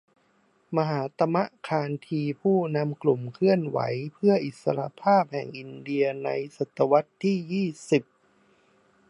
มหาตมะ คานธีนำกลุ่มเคลื่อนไหวเพื่ออิสรภาพแห่งอินเดียในศตวรรษที่ยี่สิบ